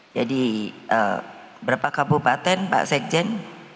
jadi berapa kabupaten pak sekjen